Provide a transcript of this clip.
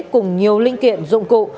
cùng nhiều linh kiện dụng cụ